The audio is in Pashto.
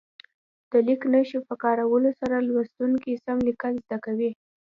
د لیک نښو په کارولو سره لوستونکي سم لیکل زده کوي.